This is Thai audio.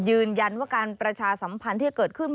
ยืนยันว่าการประชาสัมพันธ์ที่เกิดขึ้น